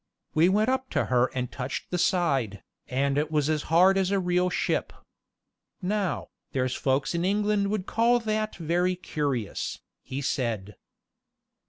We went up to her and touched the side, and it was as hard as a real ship. "Now, there's folks in England would call that very curious," he said.